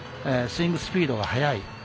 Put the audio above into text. スイングスピードが速い。